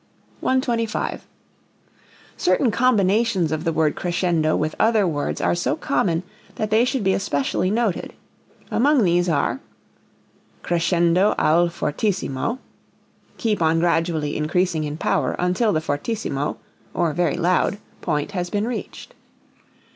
125. Certain combinations of the word crescendo with other words are so common that they should be especially noted. Among these are: Crescendo al fortissimo keep on gradually increasing in power until the fortissimo (or very loud) point has been reached.